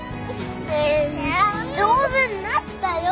ねえ上手になったよ。